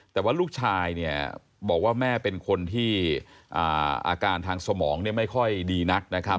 แต่ว่าลูกชายบอกว่าแม่เป็นคนที่อาการทางสมองไม่ค่อยดีนัก